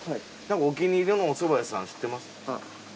お気に入りのおそば屋さん知ってます？